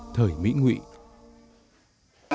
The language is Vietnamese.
thời mỹ nguyện